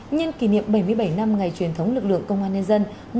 nhân kỷ niệm bảy mươi bảy năm ngày truyền thống lực lượng công an nhân dân